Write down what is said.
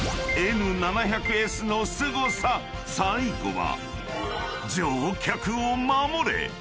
［最後は］